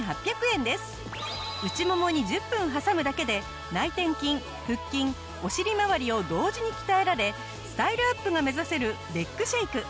内ももに１０分挟むだけで内転筋腹筋お尻まわりを同時に鍛えられスタイルアップが目指せるレッグシェイク。